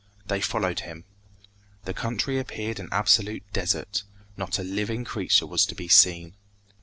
They followed him. The country appeared an absolute desert. Not a living creature was to be seen.